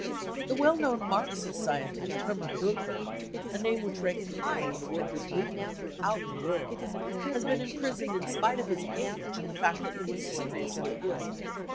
The well known Marxist scientist Hermann Duncker, a name which ranks high in the workers' movement through out the world, was imprisoned in spite of his age and the fzfct that he was seriously ill.